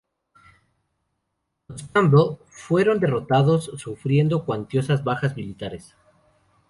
Los Campbell fueron derrotados, sufriendo cuantiosas bajas militares.